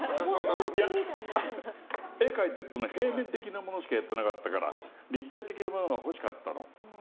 絵を描いたけど平面的なものしかやってなかったから立体的なものが欲しかったの。